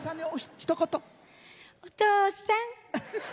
お父さん。